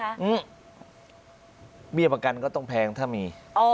อื้มมีประกันก็ต้องแพงถ้ามี